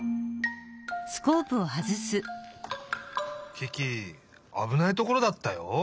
キキあぶないところだったよ。